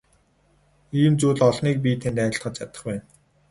Ийм зүйл олныг би танд айлтгаж чадах байна.